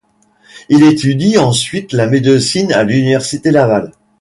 Il étudie ensuite la médecine à l'Université Laval.